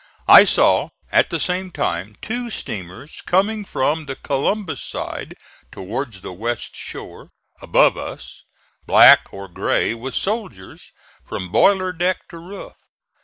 I saw at the same time two steamers coming from the Columbus side towards the west shore, above us, black or gray with soldiers from boiler deck to roof.